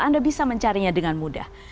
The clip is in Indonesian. anda bisa mencarinya dengan mudah